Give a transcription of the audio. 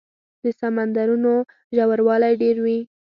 د سمندرونو ژوروالی ډېر وي.